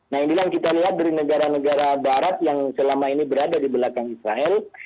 nah yang bilang kita lihat dari negara negara barat yang selama ini berada di belakang israel